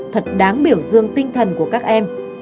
thật đáng biểu dương tinh thần của các em